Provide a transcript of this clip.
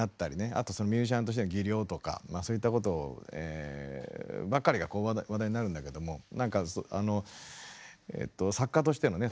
あとミュージシャンとしての技量とかまあそういったことばっかりが話題になるんだけどもなんかあの作家としてのね